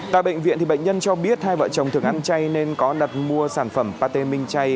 tại bệnh viện bệnh nhân cho biết hai vợ chồng thực ăn chay nên có đặt mua sản phẩm pate minh chay